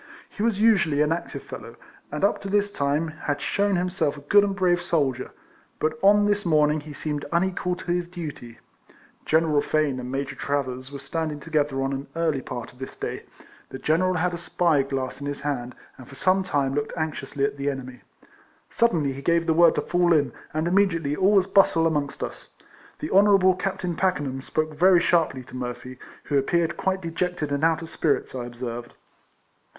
He was usually an active fellow, and up to this time had shewn himself a good and brave soldier, but on this morning he seemed unequal to his duty. General Fane and Major Travers were standing together on an early part of this day. The general had a spy glass in his hand, and for some time looked anxiously at the enemy. Suddenly he gave the word to fall in, and immediately all was bustle amongst us. The Honourable Captain Packenham spoke very sharply to Murphy, who appeared quite dejected and out of spirits, I observed.